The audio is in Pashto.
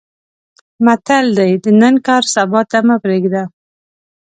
متل دی: د نن کار سبا ته مه پرېږده.